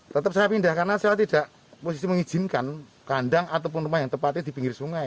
tetap saya pindah karena saya tidak posisi mengizinkan kandang ataupun rumah yang tepatnya di pinggir sungai